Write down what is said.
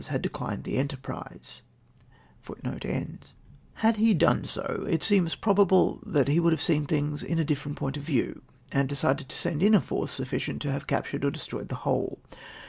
* "Had he done so, it seems probable that he would have seen things in a different point of view, and decided to send in a force sufficient to have captured or destroyed the whole.